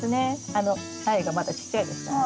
あの苗がまだちっちゃいですからね。